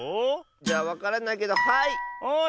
じゃあわからないけどはい！